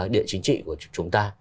địa chính trị của chúng ta